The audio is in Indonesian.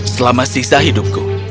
selama sisa hidupku